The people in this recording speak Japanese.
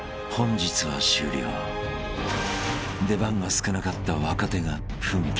［出番が少なかった若手が奮起］